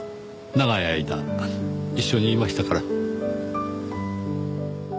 長い間一緒にいましたから。